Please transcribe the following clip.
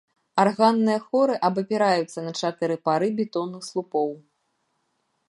Арганныя хоры абапіраюцца на чатыры пары бетонных слупоў.